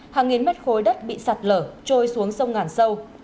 hàng nghìn mét khối đất bị sạt lở trôi xuống sông ngàn sâu